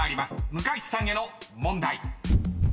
向井地さんへの問題］